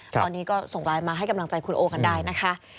ตอนนี้ก็ส่งไลน์มาให้กำลังใจคุณโอกันได้นะคะ